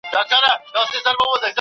هره علمي ادعا ثبوت غواړي.